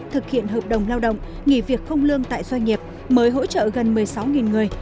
thực hiện hợp đồng lao động nghỉ việc không lương tại doanh nghiệp mới hỗ trợ gần một mươi sáu người